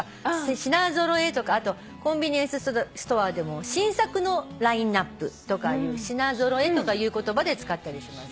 品揃えとかあとコンビニエンスストアでも新作のラインアップとかいう品揃えとかいう言葉で使ったりしますよね。